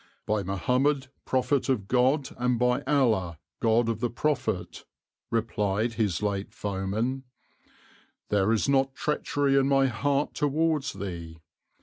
"By Mohammed, Prophet of God, and by Allah, God of the Prophet," replied his late foeman, "there is not treachery in my heart towards thee.